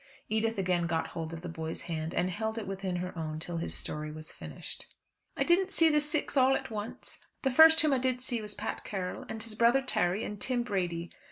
Edith again got hold of the boy's hand, and held it within her own till his story was finished. "I didn't see the six all at once. The first whom I did see was Pat Carroll, and his brother Terry, and Tim Brady.